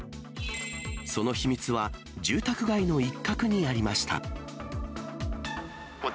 その秘密は、住宅街の一角にありました。